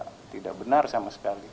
tidak benar sama sekali